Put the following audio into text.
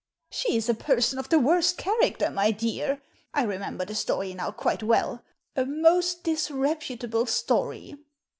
" She is a person of the worst character, my dear. I remember the story now quite well — ^a most dis reputable story.